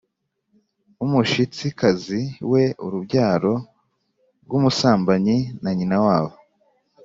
W umushitsikazi mwe urubyaro rw umusambanyi na nyina wabo